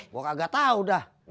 gak tau dah